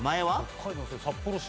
北海道の札幌市。